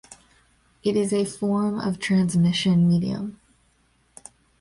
It is a form of transmission medium.